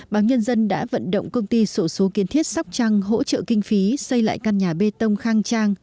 báo nhân dân đã vận động công ty sổ số kiến thiết sóc trăng hỗ trợ kinh phí xây lại căn nhà bê tông khang trang